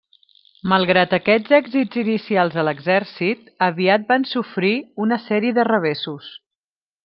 Malgrat aquests èxits inicials de l'exèrcit, aviat van sofrir una sèrie de revessos.